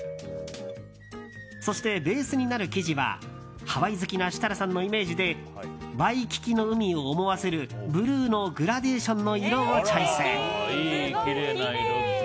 そしてベースになる生地はハワイ好きな設楽さんのイメージでワイキキの海を思わせるブルーのグラデーションの色をチョイス。